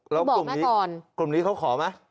แล้วกลุ่มนี้เขาขอไหม